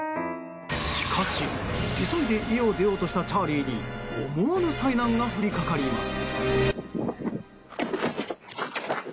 しかし急いで家を出ようとしたチャーリーに思わぬ災難が降りかかります。